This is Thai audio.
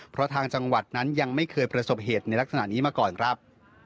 เพราะทางจังหวัดนั้นยังไม่เคยประสบเหตุในลักษณะนี้มาก่อนครับ